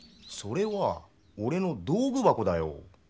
それはおれの道具箱だよ。